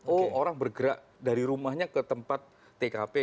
oh orang bergerak dari rumahnya ke tempat tkp